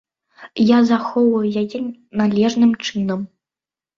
Я захоўваю яе належным чынам.